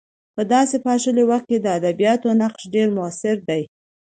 په داسې پاشلي وخت کې د ادبیاتو نقش ډېر موثر دی.